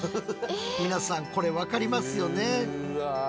皆さんこれ分かりますよね？